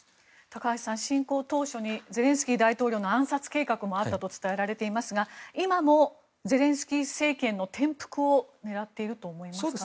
高橋さん、侵攻当初にゼレンスキー大統領の暗殺計画もあったと伝えられていますが今もゼレンスキー政権の転覆を狙っていると思いますか？